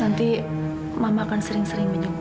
nanti mama akan sering sering menyukai kamu